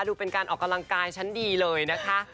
ดูเป็นการออกกำลังกายชั้นดีเลยนะคะ